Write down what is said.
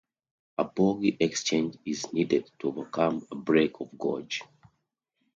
A bogie exchange is needed to overcome a break of gauge.